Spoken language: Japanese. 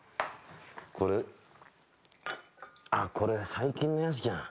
これあっこれ最近のやつじゃん。